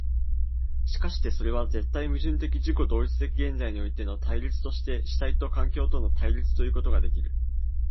しかしてそれは絶対矛盾的自己同一的現在においての対立として主体と環境との対立ということができる。